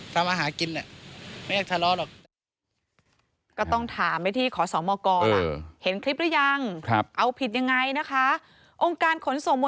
ถ้าความเป็นจริงแล้ว